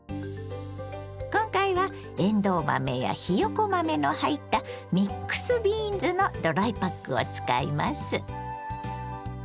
今回はえんどう豆やひよこ豆の入ったミックスビーンズのドライパックを使います。